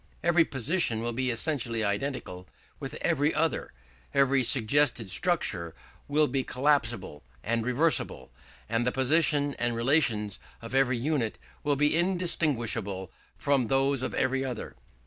Every position will be essentially identical with every other; every suggested structure will be collapsible and reversible; and the position and relations of every unit will be indistinguishable from those of every other.